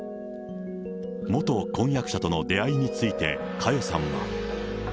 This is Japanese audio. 元婚約者との出会いについて、佳代さんは。